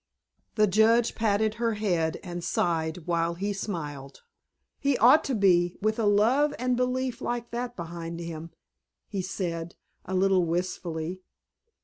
The Judge patted her head and sighed while he smiled. "He ought to be, with a love and belief like that behind him," he said, a little wistfully.